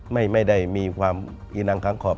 ไม่ได้มีความอีนังค้างขอบ